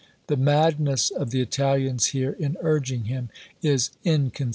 The madness of the Italians here in urging him is inconceivable.